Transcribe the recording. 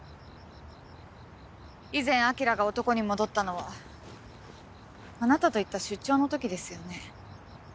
以前晶が男に戻ったのはあなたと行った出張のときですよね？